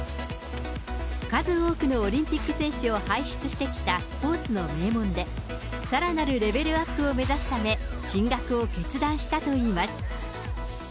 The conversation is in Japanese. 数多くのオリンピック選手を輩出してきたスポーツの名門で、さらなるレベルアップを目指すため、進学を決断したといいます。